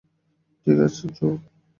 ঠিক আছে, জো।